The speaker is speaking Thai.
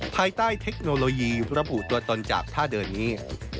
ภายใต้เทคโนโลยีระบุตัวตนจากท่าเดินนี้